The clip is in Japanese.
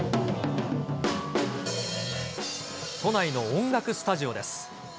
都内の音楽スタジオです。